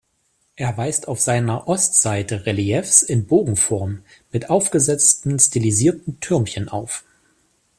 Er weist auf seiner Ostseite Reliefs in Bogenform mit aufgesetzten stilisierten Türmchen auf.